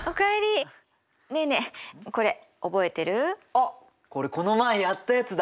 あっこれこの前やったやつだ。